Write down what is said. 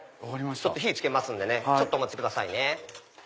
火付けますんでちょっとお待ちくださいね。